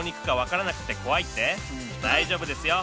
大丈夫ですよ